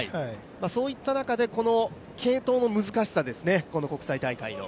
そういった中で、継投の難しさですね、国際大会の。